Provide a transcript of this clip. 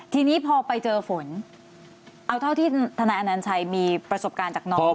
ทีนี้พอไปเจอฝนเอาเท่าที่ทนายอนัญชัยมีประสบการณ์จากน้อง